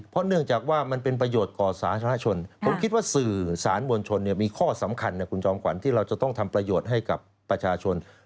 เพราะเนื่องจากว่ามันเป็นประโยชน์กับสาธารณชน